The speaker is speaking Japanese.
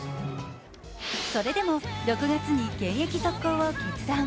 それでも６月に現役続行を決断。